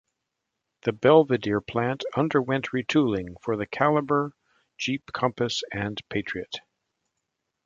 The Belvidere plant underwent retooling for the Caliber, Jeep Compass, and Patriot.